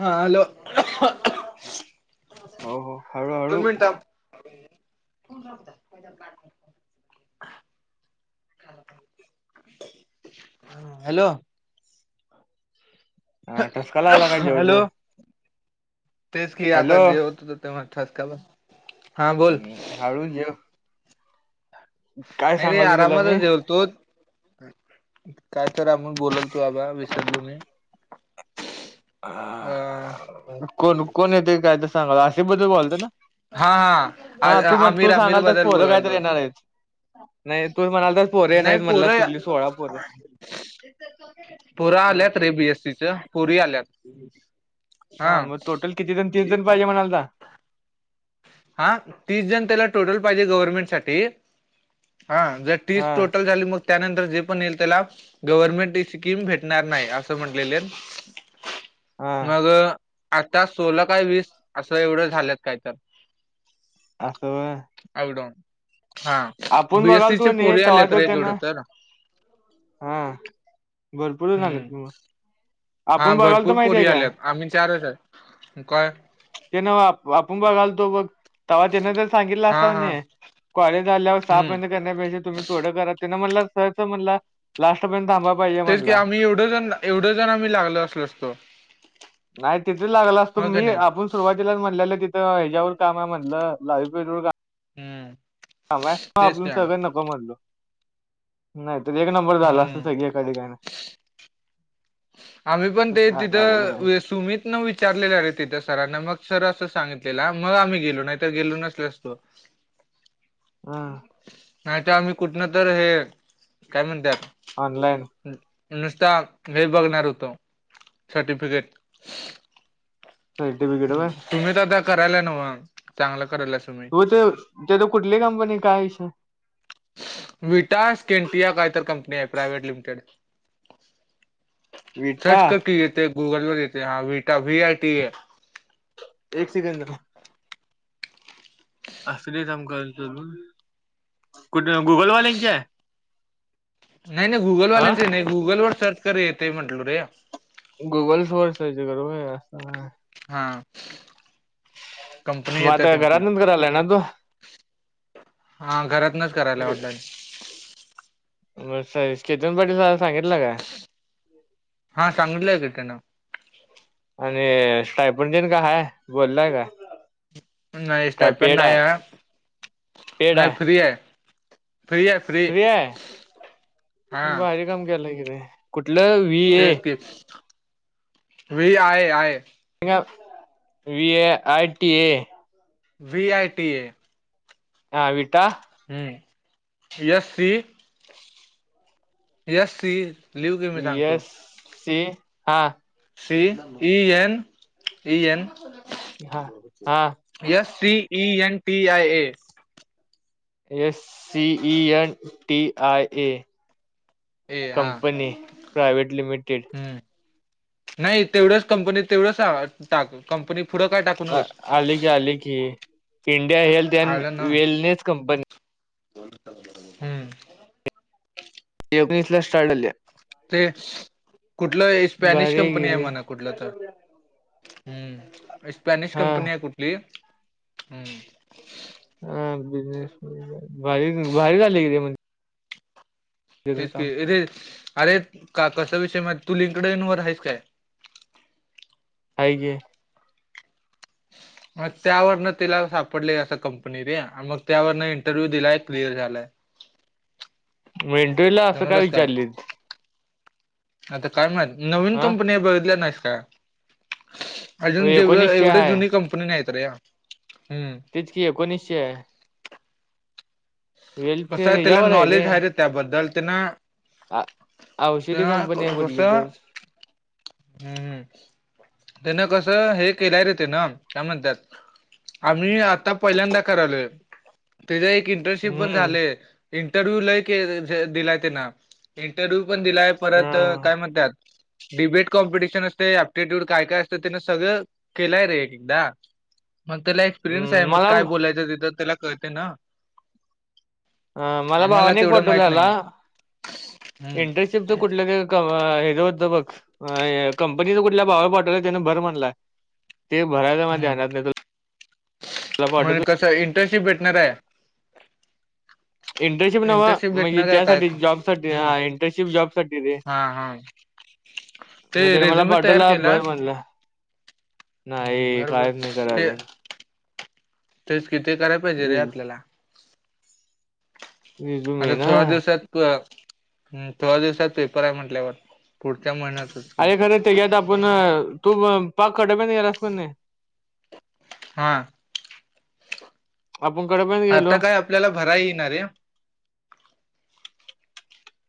हा हॅलो हो हो हळू हळू [inaudible] ह हॅलो ह टसका लागला काय जेवत हॅलो जेवत तेच की आता हॅलो जे होत होत तेव्हा ठसका ब हा बोल हम्म, हळू जेव काय नाही रे सांगालो तुला मी आरामातच जेव तू काय तर आमण बोलाल तू बाबा विसरलो मी अ कोण कोण येत काय तर सांगा अे बद्दल बोलत ना हा हा तू म्ह आमिर तू आमिर सांगाल तर बद्दल पोरं कायतरी बोलालतो येणार आहे नाही तू म्हणाला तर पोरे नाही म्हणला कुठली सोळा पोरं पुरा आल्यात रे बीएससी च पुरी आल्यात हा मग टोटल किती जण तीस जण पाहिजे म्हणालता हा तीस जण त्याला टोटल पाहिजे गव्हर्नमेंट साठी हा ज हा तीस टोटल झाली मग त्यानंतर जे पण येईल त्याला गव्हर्नमेंट ही स्कीम भेटणार नाही असं म्हटलेले [unintelligible] मग आता सोल काय वीस असं एवढं झालंत काय तर असस व अपडाऊन हा बघाल तू बीएससीची नाही पोरी आली तेव्हा तर एकवढ त्यांना तर हा भरपूरच आलेत हम्म तु मग हा आपण बघाल तर भरपूर माहिती आहे पोरी काय आल्यात आम्ही चारच आहे काय ते ना आपण बघाल तो बघ तवा्हा जन ज सांगितला हा असता हा न कॉलेज आल्यावर सहा हम्म प करण्यापेजे तुम्ही थोडं करा ते म्हणला सहच म्हणला लास्टपर्यंत थांबा पाहिजे म्हणला मी एवढं जनला एवढं जण आम्ही लागल असलो असतो नाही तिथे लागल असतो हो का मी नाही आपण सुरुवातीला म्हटलेलं तिथं ह्याच्यावर काम आहे म्हटलं लाव पर हम्म हां म तेच आपून का सगळं नको म्हणलो नाहीत एक नंबर झाला असत हम्म सग कळ घण आम्ही पण ते तिथं सुमीित विचारलेलं र तिथं सरांना मग सर असं सांगितलेलं मग आम्ही गेलो नाही तर गेलो नसल असतो हा नाही तर आम्ही कुठन तर हे काय म्हणत ऑनलाईन नुसता हे बघणार होतो सर्टिफिकेट हट बघिड व तुम्ही तर आता करायला नव चांगलं करायलाय तुम् त त्या कुठलीही कंपनी काय विटास केंटिया काहीतर कंपनी आहे प्रायव्ट लिमिटेड विटा सर्च करकी येत गूगल म देत हा वटा व आय टी आहे एक सेकंड अस नाही सम काल कुठे गुगलवाल्यांची आहे नाही नाही हा गुगलवाल्यांच नाही गुगल वर सर्च कर येते म्हटल रे गुगल सोर सर्च करूय असं हा कंपनी येते मता त्यांची घरात न कराला आहे ना तू हा घरातनच करायला ऑनलाईन ब स केतन पाटीलला सांगितलं का हा सांगितलंय की त्यानं आणि स्टायपंटीन का हाय बोललाय काय नाही काय साप पेड नाही हाय? पेड नाही हाय? फ्रीि आहे फ्रीिया फ्री हां क तेच व आहे आहे विए यटीए वी आय टी ए हा विटा हम्म यस यस स सी हा C E N E N हा हा S T E N T I A S C E N T I A A हा कंपनी प्रायवट लिमिटेड हम्म नाही तेवढच कंपनी तेवढंच टाक कंपनी पुढं काय टाक आली की आले की इंडिया हेल्थ अँड आलं ना वेलनेस कंपनी हम्म एकोणीस ला स्टार्ट झाल्या ते कुठलं स्पॅनिश भारी की कंपनी आहे रे म्हणा कुठ तर स्पनिश हा कंपनी आहे कुठ ल हा बिजनेस भारी बाारी झाले कि म्हणज तेच कीे अरे का कसा विषय मा तू लिंकड येनवर आहेस काय हे मग त्यावरन तिला सापडले असं कंपनी रे मग त्यावरन इंटरव्ह्यू दिलाय क्लिअर झालाय मेंटूला असं काय विचारले आता काय माहत नवीन हा कंपनी बघितल्या नाहीस का अजून होय जेवढ एकोणीसशे एवढ आहे जुनी कंपनी नाहीत रे याम् तेचकी एकोणीसशे कसं त्याला नॉलेज आहे रे त्याबद्दल त्यांना औषधी कंपनी आहे त्यांना कुठली तर हम्म हम्म त्यान कसं हे केल्याय येते ना त्या म्हणत आम्ही आता पहिल्यांदा करावलं त्या एक इंटर्नशिप पण हम्म झाले इंटरव्ह्यू लय क दिलाय ते ना इंटरव्ह्यू पण दिलाय परत अ काय म्हणतात डिबेट कॉम्पिटिशन असते ऍप्टिट्यूड काय काय असतं त्यान सगळं केलंय रे एकदा मग त्याला एक्सपिरियन्स आहे मग मला काय बोलायचं तिथं त्याला कळते ना अ मला आम्हाला भावनेक तेवढं माहित पाठवलाला नाही हम्म इंटरेस्ट शि कुठलं हे होत बघ कंपनीच कुठल्या भावा पाठवला त्याने भर म्हणलाय ते भरायच हम्म म्हण पाठवतो कस इंटर्नशिप भेटणार आहे इंटर्नशिप नव म्हणजे भेटणार आहे काय त्यासाठी जॉब साठी हम्म हा इंटर्नशिप जॉब साठी रे हा हा ते म्हणजे मला रेझ्युमे तयार पाटोला भर केलास म्हणलं हम्म नाही बर बर काहीच नाही कराय ते अून तेच किती करायला पाहिजे रे रिझ आपल्याला रिझ्यूमे आता ना थोड दिवसात थोड दिवसात पेपर आहे म्हंटल्यावर पुढच्या महिन्यातच का घ आपण तू पाक खटब नाहीसक नाही हा आपण कडे पण गेलो आता काय आपल्याला भरा येणारे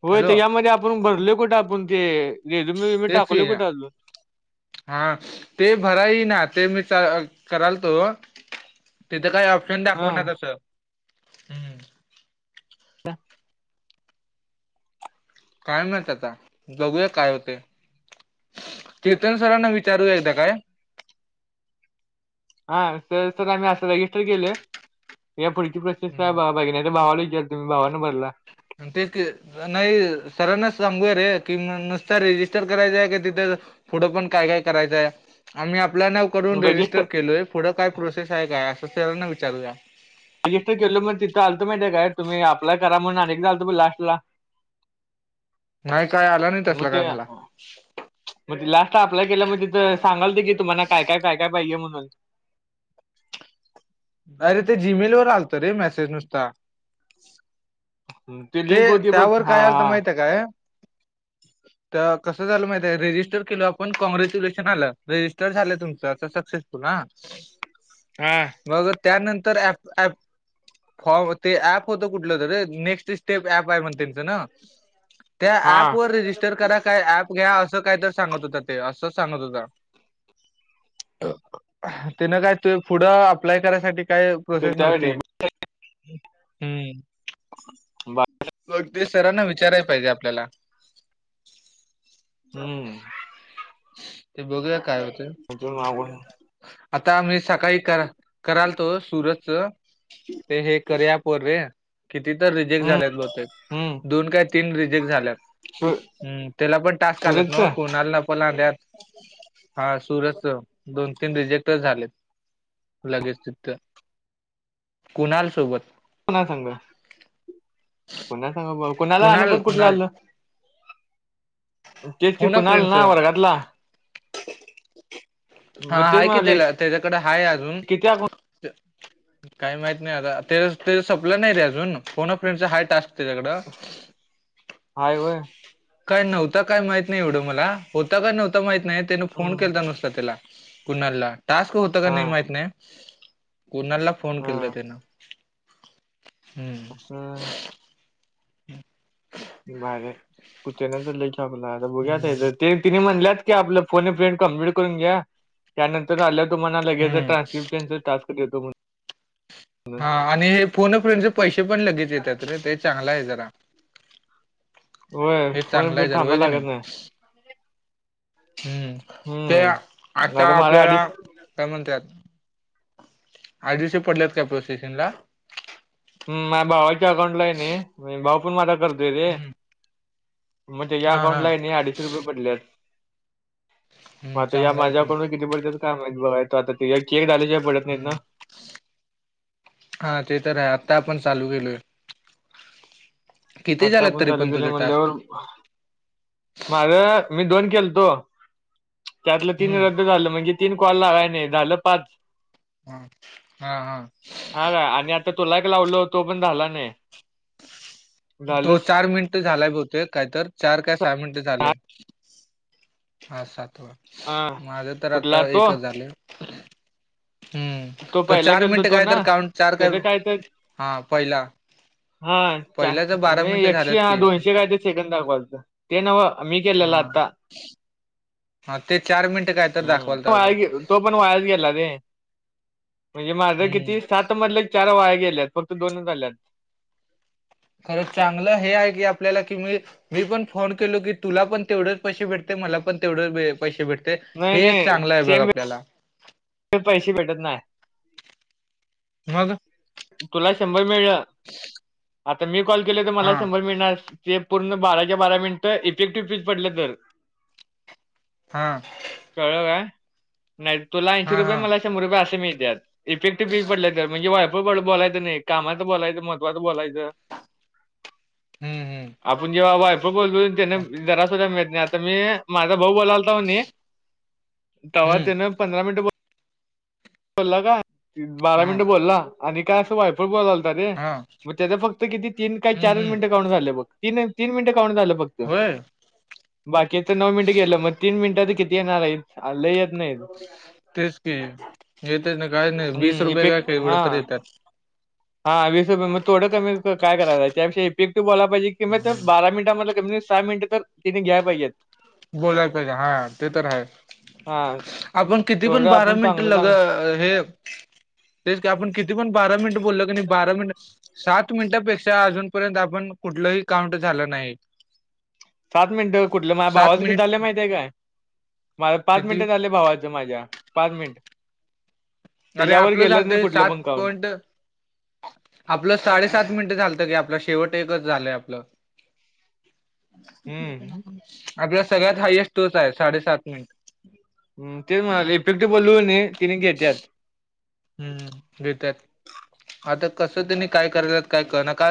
होय तर हॅलो यामध्ये आपण भरले कुठं आपण ते रेजुम तेच टाकवले की कुठं अ हा ते भराई ना ते मी कराल तो तिथं काही ऑप्शन हा दाखव ना तसं हम्म का कायम नाहीत आता बघूया काय होते कीर्तन सरांना विचारू एकदा काय हा सर सर आम्ही असं रजिस्टर केलं या पुढची प्रोसेस काय ब तर भावाला विचार तुम्ही भावानं भरला अंत एक नाही सरांनाच सांगूया रे कि नुसत रेजिस्टर करायच आहे क तिथे पुढं पण काय काय करायचंय आम्ही आपल्याला ून रजिस्टर रेजिस्टर केलोय पुढं काय प्रोसेस आहे काय असं सरांना विचारूया रजिस्टर केलं मग तिथं आलं माहिती आहे काय तुम्ही अप्ला करा म्हण अनेक जालं प लास्टला नाही काय आला नाही तसला मट काय मला मगज लास्ट अप्लाय केल्या म तथ सांगालते की तुम्हाला काय काय काय काय पाहिजे म्हणून नाहीरे ते जीमेल वर आलत रे मेसेज नुसता ते लिंक होती बघ हा हा ह काय ह कसं झालं माहिित आहे रेजिस्टर केल आपण कॉग्रॅच्युलेशन आलं रेजिस्टर झालं तुमचंता सक्सेसफुल हा हा मग त्यानंतर प प फॉर्म ते ऍप होत कुठलं तर नेक्स्ट आहेच हा त्या व हा रिट करा घ्या असं काय तर सांगत होता ते असंच सांगत होता तन काय त पुढं अप्लाय करायसाठी काय ते प्रोसेस त्यावेळी नव्हती हम् बा सरांना विचाराय पाहिजे आपल्याला हम्म ते बघू काय होते अजून मागून आता मी सकाळी क करायलतो सुरतच ते हे करया पूर्वे किती तर रिजेक्ट हम्म झालेत ग हम्म दोन काय तीन रिजेक्ट झाल्या सु- त्याला पण टास्क सुरजच आत कणाल पत हा सूरच दोन तीन रिजेक्टच झालेत लगेच ति कुणाल सोबत कोणा सांग कोणा सांग कोणाला आणि कुणाल पत कुठलं कुणाल आल्लं तेच फोन अ कुणाल फ्रेंडच ना वर्गातला हा मग तेच आहे की म्हणाले त्याला त्याच्याकडे आहेाय अजून किती अकाउंट काही माहत नाही आताच सप्ला नाही रे अजून पोन फ्रेड हाट तेझगडा हायवे काय नव्हतं काय माहत नाही एवढं मला होतं काय नव्हतं माहीत नाही त्याने फोन हम्म केला नुसता त्याला कुणालला टास्क होत का हा नाही माहित नाही कुणाला फोन हा केला तन हम्म हा बरे कुठे ना तर लेख आपला आता बघ्यात हम्म तिने म्हणल्यात आपो क करून घ्या त्यानंतर आल्या तुम्हाला लगेच हम्म. ट्रानपन टास् [inaudible] हा आणि हे फोन फनचे पैसे पण लगेच येत रे ते चांगला आहे जरा होय हे फोन अ चांगलं आहे फ्रेंड जर आहे थांबायला क लागत नाही हम्म ते हम्म आता मला अडीच आपल्याला काय म्हणते आठ दिवशी पडल्यात का प्रो सेशन ला ह माझ्या भावाच्या अकाउंटला आहे ना म भाऊ पण माझा करतोय रे हम्म, म्हणजे या हा अकाउंटला आहे हा नाही अडीचशे रुपये पडलेत मग आता या चांगला आहे की माझ्याकडून किती पडत काम आहेत बघाय तो आता केक झाल्याशिय पडत नाहीत हम्म, ना हा ते तर आहे आता आपण चालू केलोय किती आता झालात आपण तरी झाले पण गेले तुझे म्हणल्यावर टास्क माझ मी दोन खेळतो त्यातलं तीन हम्म रद्द झालं म्हणजे तीन कॉल लागाय नाही झालं पाच ह हा हा हा काय आणि आता तोला एक लावल तो पण झाला नाही झालं तो चार मिनिट झाला बी होते कायत चार काय सहा मिनिट झाले हा सातवा, अ माझं तर कुठला आत्ता तो एकच झालया. हम्म, तो पहिला चार गेलतो मिनटं तो काय तर ना काउंट चार काय त्याच तर ह पहिला हा च्या, पहिल्याच बारा नाही मिनिटं एकशे झाल्यात हा की दोनशे काय ते सेकंद दाखवालत ते नव्ह मी हा केलेलं आता हा... ते चार मिनटं काय तर दाखवालतं हम्म वाया आप गे तो पण वायाच गेला रे, म्हणजे माझ हम्म किती सात मधलं चार वाया गेल्यात फक्त दोनच झाल्यात. खरं चांगलं हे आहे की आपल्याला कि मी पण फोन केलो की तुला पण तेवढेच पैसे भेटते मला पण तेवढ पैसे भेटते ते नाही हे एक नाही चांगलं आहे बघ सेम आपल्याला पैसे भेटत नाही मझ तुला शंभर मिळलं आता मी कॉल केल तर मला हा शंभर मिळणार. ते पूर्ण बाराच्या बारा मिनिटं इफेक्टिव्ह पीज पडले तर हा कळलं का नाही तुला ऐंशी हा रुपये हा मला शंभर रुपय अशे मिळतेयात इफेक्टि पी पडले तर म्हणजे वाय ब, ब, बोलायच नाही कामचं बोलायच, महत्वाच बोलायचं हम्म, हम् आपण जेव्हा वायफळ बोलतो तेन जरासद्धा मिळत नाही आता मी माझा भाऊ बोलालता व्हणी, तवा हम्म तेन पंधरा मिनिट ब बोलला का, बारा हा मिनटं बोलला आणि काय अस वायफळ बोललता रे, हा मग तेच फक्त किती तीन काय हम्म चार हम्म मिनटं काउंट झालं बघ, तीन तीन मिनटं काउंट झालं बघ. होय? बाकीच नऊ मिनिटं गेलं मग तीन मिनिटं तर किती येणार हाईत, आ, लई येत नाहीत तेच की येतच नाय, काय नाही वीस हम्म रुपये काय इफेक्ट केवड हा तर येत्यात. हा वीस रुपये, मग थोडं कमी क काय कराय त्यापेक्षा इफिक्टिव्ह बोलाय पाहिजे कि मग बारा मिनटां मध्ये कमी सहा मिनिटं तर... तेनी घ्याय पाहिजेत. बोलाय पाहिजे हा, ते तर हाय हा आपण किती पण थोडं बारा आपण मिनिटं चांगलं लग... चांगलं हे तेच का आपण किती पण बारा मिनिट बोलल कनी बारा मिनिट सात मिनिटापेक्षा अजूनपर्यंत आपण कुठलंही काउंट झालं नाहीत सात मिनटं कुठलं, माया सात भावाचं किती मिनिट झालं माहित आहे काय? माझ, पाच किती मिनिट झालं भावाच्या माझ्या पाच मिनट. अरे आपलं झालत, सात पॉईंट आपलं साडेसात मिनिटं झालतं, की आपला शेवट एकच झालंय आपलं हम्म आपल्यात सगळ्यात हायस्ट तोच हाय... साडेसात मिनिटं. हम्म, तेच म्हणालोय इफेक्ट बोलो कणी त्येनी घेत्यात. हम्म घेत्यात, आता कसं त्येनी काय कराल्यात काय कळना का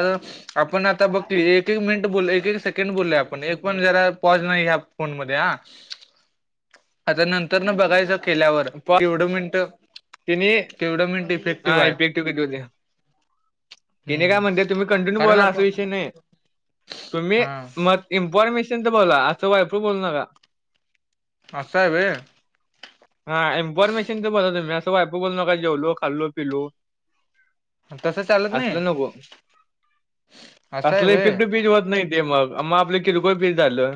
आपण आता बघ कि एक- एक मिनिट बोललो... एक- एक सेकंड बोललो आपण, एक पण जरा पॉज नाही ह्या फोन मध्ये हा. [unintelligible] आता नंतर न बघायचं केल्यावर... केवढं मिनटं त्येनी... हा आहे. इफेटिव्ह किती होतंय. तिने काय हम्म म्हणते, तुम्ही कंटिन्यू कारण बोला असा आपण विषय नाही, तुम्ही हा म इम्फॉर्मेशनचं बोला, असं वायफळ बोलू नका. असं हाय व्हय? हा... इन्फॉर्मेशनचं बोला तुम्ही... असं वायफळ बोलू नका जेवलो, खाल्लो, पिलो. तसं चालत नाही असलं नको, असं आहे असलं व्हय इफेक्टच [unintelligible] होत नाहीत. ते मग मग आपलं किरकोळ बील झालं.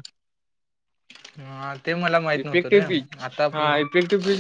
ह ते मला माहित नव्हतं रे इफेक्टिव्ह पीच आता आपण. [inaudible]